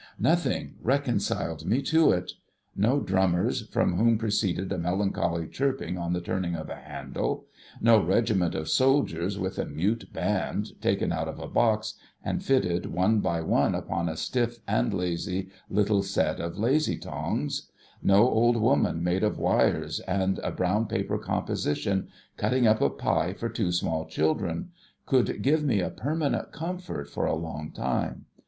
Nothing reconciled me to it. No drummers, from whom proceeded a melancholy chirping on the turning of a handle ; no regiment of soldiers, with a mute band, taken out of a box, and fitted, one by one, upon a stiff and lazy little set of lazy tongs : no old woman, made of wires and a brown paper composition, cutting up a pie for two small children ; could give me a permanent comfort, for a long time.